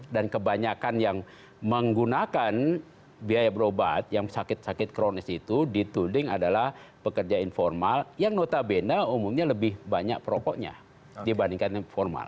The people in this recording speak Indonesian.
dan kebanyakan yang menggunakan biaya berobat yang sakit sakit kronis itu dituding adalah pekerja informal yang notabene umumnya lebih banyak rokoknya dibandingkan informal